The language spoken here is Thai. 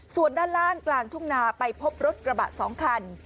ส่วนด้านล่างกลางทุ่งนาไปพบรถกระบะ๒คัน